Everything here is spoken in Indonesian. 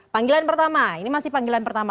panggilan pertama ini masih panggilan pertama